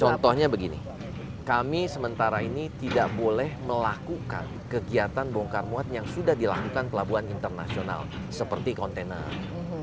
contohnya begini kami sementara ini tidak boleh melakukan kegiatan bongkar muat yang sudah dilakukan pelabuhan internasional seperti kontainer